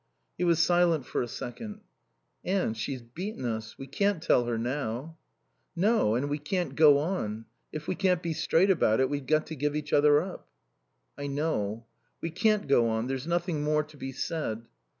He was silent for a second. "Anne she's beaten us. We can't tell her now." "No. And we can't go on. If we can't be straight about it we've got to give each other up." "I know. We can't go on. There's nothing more to be said."